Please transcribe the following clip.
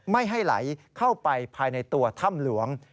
ไม่ให้ไหลเข้าไปภายในตัวถ้ำหลวง